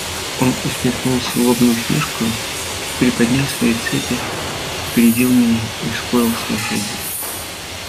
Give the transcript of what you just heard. Он усмехнулся злобной усмешкою и, приподняв свои цепи, опередил меня и ускорил свои шаги.